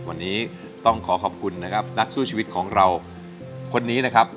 วันนี้ต้องขอขอบคุณนะครับนักสู้ชีวิตของเราคนนี้นะครับ